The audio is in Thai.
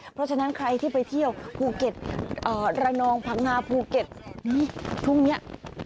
เพราะฉะนั้นใครที่ไปเที่ยวภูเก็ตระนองพังงาภูเก็ตช่วงนี้